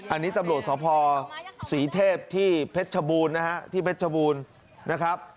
อันนี้ตำรวจสภศรีเทพที่เพชรบูรณ์นะครับ